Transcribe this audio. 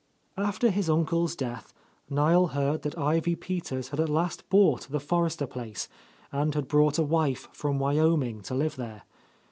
After his uncle's death, Niel heard that Ivy Peters had at last bought the Forrester place, and had brought a wife from Wyoming to live there.